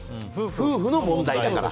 夫婦の問題だから。